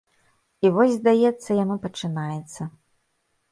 І вось, здаецца, яно пачынаецца.